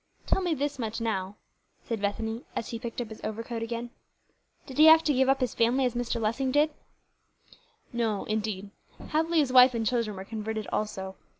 "Tell me this much now," said Bethany, as he picked up his overcoat again; "did he have to give up his family as Mr. Lessing did?" "No, indeed. Happily his wife and children were converted also.